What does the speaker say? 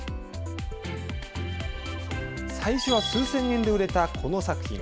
最初は数千円で売れたこの作品。